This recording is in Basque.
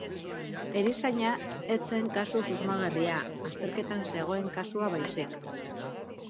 Erizaina ez zen kasu susmagarria, azterketan zegoen kasua baizik.